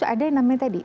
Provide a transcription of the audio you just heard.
ada yang namanya tadi